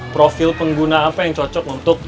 profil pengguna apa yang cocok untuk